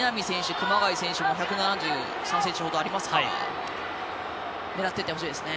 熊谷選手も１７３ｃｍほどありますから狙っていってほしいですね。